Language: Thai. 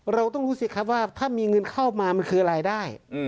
เราต้องรู้สิครับว่าถ้ามีเงินเข้ามามันคือรายได้